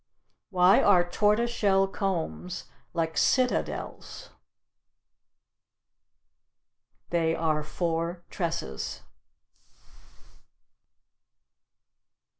Why are tortoiseshell combs like citadels? They are for tresses.